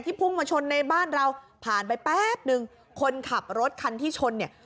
พุ่งมาชนในบ้านเราผ่านไปแป๊บนึงคนขับรถคันที่ชนเนี่ย